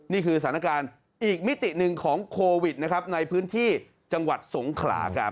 นี่คือสถานการณ์อีกมิติหนึ่งของโควิดนะครับในพื้นที่จังหวัดสงขลาครับ